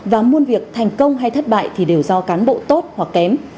và muôn việc thành công hay thất bại thì đều do cán bộ tốt hoặc kém